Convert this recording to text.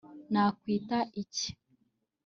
Nakwita iki